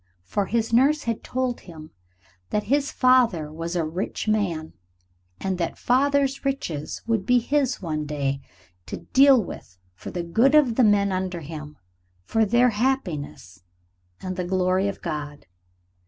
For his nurse had told him that his father was a rich man; and that father's riches would be his one day, to deal with for the good of the men under him, for their happiness and the glory of God.